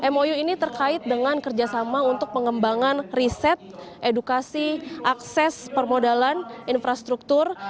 mou ini terkait dengan kerjasama untuk pengembangan riset edukasi akses permodalan infrastruktur